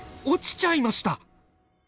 落ちちゃいました。